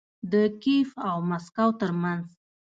د کیف او مسکو ترمنځ